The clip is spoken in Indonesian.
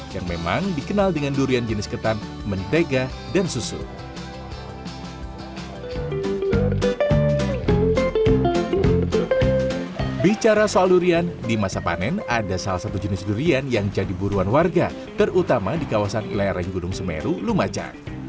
yang memang dikenal dengan durian yang berbeda